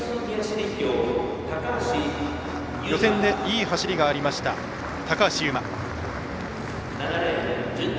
予選でいい走りがありました高橋祐満。